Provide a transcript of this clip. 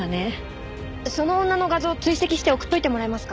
その女の画像を追跡して送っておいてもらえますか？